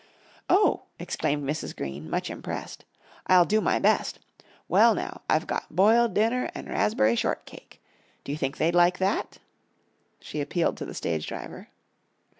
"Oh!" exclaimed Mrs. Green, much impressed, "I'll do my best. Well now, I've got boiled dinner an' a raspb'ry shortcake. Do you think they'd like that?" She appealed to the stage driver.